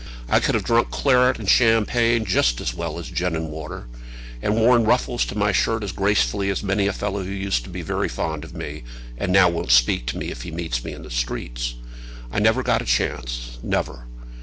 I could have drunk claret and champagne just as well as gin and water, and worn ruffles to my shirt as gracefully as many a fellow who used to be very fond of me, and now won't speak to me if he meets me in the streets. I never got a chance, never."